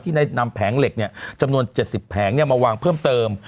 ได้นำแผงเหล็กจำนวน๗๐แผงมาวางเพิ่มเติม